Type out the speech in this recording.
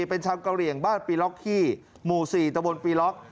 เป็นชำเกาเหรียงบ้านปีล๊อกฮี่หมู่๔ตะวนปีล๊อก